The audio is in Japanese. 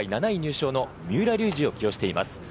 ７位入賞の三浦龍司を起用しています。